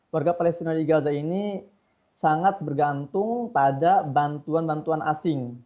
warga palestina di gaza ini sangat bergantung pada bantuan bantuan asing